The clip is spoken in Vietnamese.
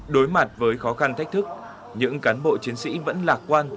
đối mặt với khó khăn thách thức những cán bộ chiến sĩ vẫn lạc quan